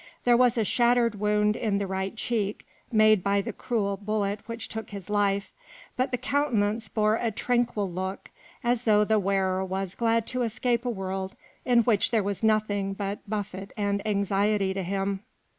There was the shattered wound in the right cheek, made by the cruel bullet which took his life, but the countenance bore a tranquil look, as though the wearer was glad to escape a world in which there was nothing but buffet and anxiety to him.